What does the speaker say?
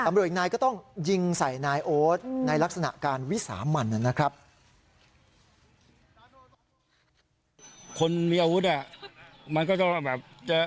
อีกนายก็ต้องยิงใส่นายโอ๊ตในลักษณะการวิสามันนะครับ